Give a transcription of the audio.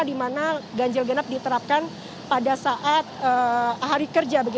di mana ganjil genap diterapkan pada saat hari kerja